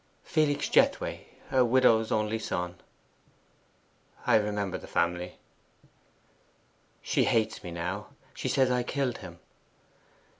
'Felix Jethway; a widow's only son.' 'I remember the family.' 'She hates me now. She says I killed him.